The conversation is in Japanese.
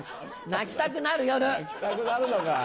泣きたくなるのか。